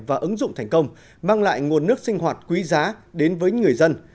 và ứng dụng thành công mang lại nguồn nước sinh hoạt quý giá đến với người dân